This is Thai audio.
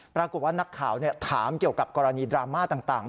ปรากฏว่านักข่าวถามเกี่ยวกับกรณีดราม่าต่าง